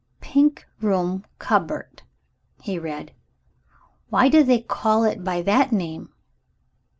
"Pink Room Cupboard," he read. "Why do they call it by that name?"